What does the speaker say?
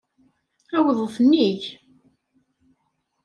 Awḍet nnig.